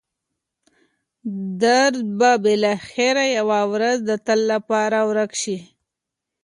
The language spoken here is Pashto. درد به بالاخره یوه ورځ د تل لپاره ورک شي.